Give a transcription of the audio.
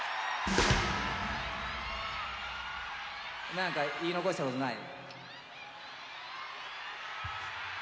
何か言い残したことない？